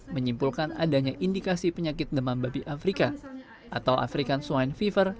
menyimpulkan adanya indikasi penyakit demam babi afrika atau african swine fever